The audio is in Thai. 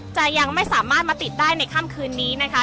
ยังไม่สามารถมาติดได้ในค่ำคืนนี้นะคะ